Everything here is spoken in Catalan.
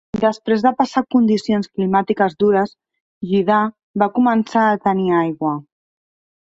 Després de passar condicions climàtiques dures, Jiddah va començar a tenir aigua.